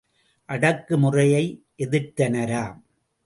அடக்கு முறையை எதிர்த்தனராம்.